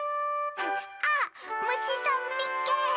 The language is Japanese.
あっむしさんみっけ！